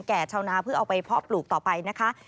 ชาวนาเพื่อเอาไปเพาะปลูกต่อไปนะคะ